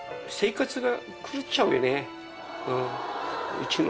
うちの。